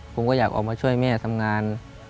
ผมก็อยากออกมาช่วยแม่ทำงาน